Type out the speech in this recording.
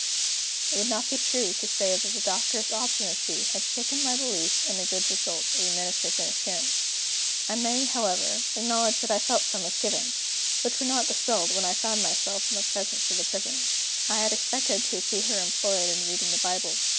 It would not be true to say that the Doctor's obstinacy had shaken my belief in the good result of the Minister's interference. I may, however, acknowledge that I felt some misgivings, which were not dispelled when I found myself in the presence of the Prisoner. I had expected to see her employed in reading the Bible.